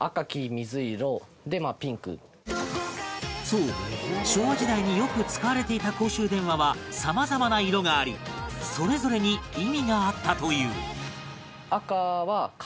そう昭和時代によく使われていた公衆電話は様々な色がありそれぞれに意味があったという